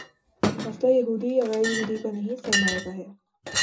مسئلہ یہودی یا غیر یہودی کا نہیں، سرمائے کا ہے۔